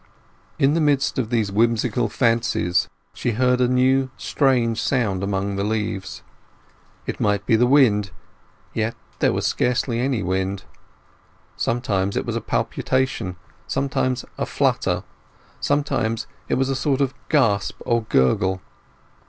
In the midst of these whimsical fancies she heard a new strange sound among the leaves. It might be the wind; yet there was scarcely any wind. Sometimes it was a palpitation, sometimes a flutter; sometimes it was a sort of gasp or gurgle.